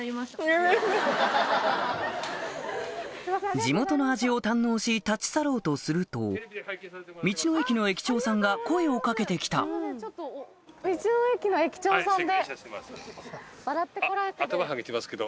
地元の味を堪能し立ち去ろうとすると道の駅の駅長さんが声を掛けて来たいやいやそんな。